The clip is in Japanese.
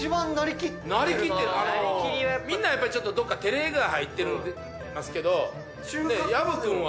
みんなちょっとどっか照れが入ってますけど薮君は。